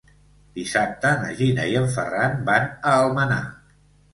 Dissabte na Gina i en Ferran van a Almenar.